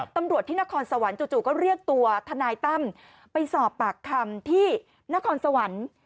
ตำรวจที่นครสวรรค์จู่ก็เรียกตัวทนายตั้มไปสอบปากคำที่นครสวรรค์